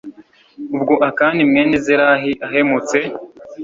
ubwo akani mwene zerahi ahemutse